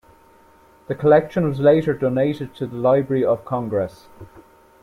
The collection was later donated to the Library of Congress.